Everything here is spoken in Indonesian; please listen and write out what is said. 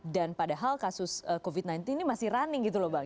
dan padahal kasus covid sembilan belas ini masih running gitu loh bang